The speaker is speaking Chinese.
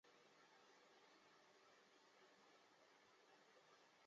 圣莱热特里耶伊。